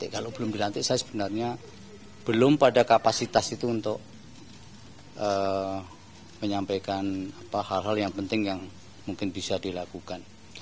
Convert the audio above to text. kalau belum dilantik saya sebenarnya belum pada kapasitas itu untuk menyampaikan hal hal yang penting yang mungkin bisa dilakukan